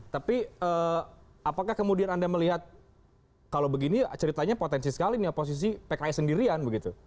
tapi apakah kemudian anda melihat kalau begini ceritanya potensi sekali nih oposisi pks sendirian begitu